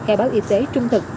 khai báo y tế trung thực